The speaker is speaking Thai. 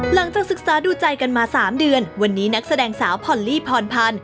หลังจากศึกษาดูใจกันมา๓เดือนวันนี้นักแสดงสาวพอลลี่พรพันธ์